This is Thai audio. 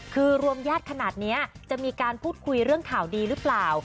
คือรวมญาติขนาดนี้จะมีการพูดคุยเรื่องข่าวดีหรือเปล่า